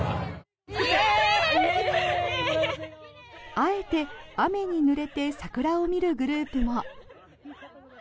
あえて雨にぬれて桜を見るグループも。